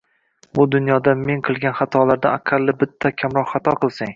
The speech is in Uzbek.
Bu dunyoda men qilgan xatolardan aqalli bitta kamroq xato qilsang.